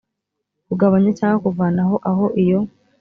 kugabanya cyangwa kuvanaho aho iyo